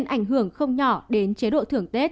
ảnh hưởng không nhỏ đến chế độ thưởng tết